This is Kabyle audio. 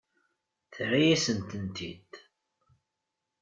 Terra-yasen-tent-id.